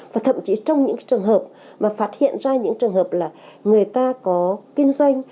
và thậm chí trong những trường hợp mà phát hiện ra những trường hợp là người ta có kinh doanh